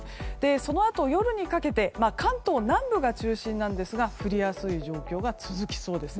そのあと夜にかけて関東南部が中心ですが降りやすい状況が続きそうです。